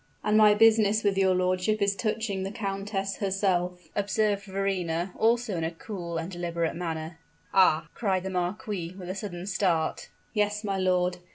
"And my business with your lordship is touching the countess herself," observed Verrina, also in a cool and deliberate manner. "Ah!" cried the marquis, with a sudden start. "Yes, my lord.